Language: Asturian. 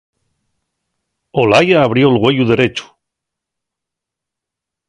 Olaya abrió'l güeyu derechu.